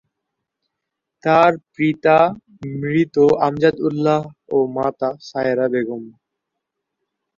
তার পিতা মৃত আমজাদ উল্লাহ ও মাতা সায়রা বেগম।